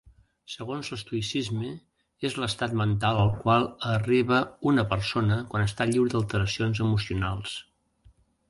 Segons l'estoïcisme és l'estat mental al qual arriba una persona quan està lliure d'alteracions emocionals.